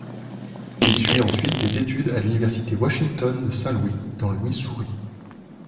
Il suit ensuite des études à l'université Washington de Saint-Louis dans le Missouri.